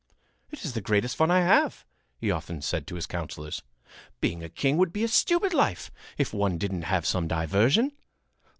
"It is the greatest fun I have," he often said to his counsellors. "Being a king would be a stupid life if one didn't have some diversion."